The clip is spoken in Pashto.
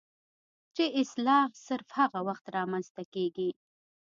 چې اصلاح صرف هغه وخت رامنځته کيږي